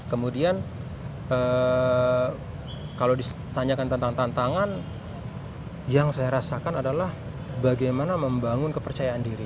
kemudian kalau ditanyakan tentang tantangan yang saya rasakan adalah bagaimana membangun kepercayaan diri